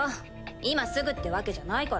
今すぐってわけじゃないから。